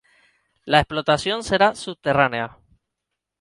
La explotación será subterránea.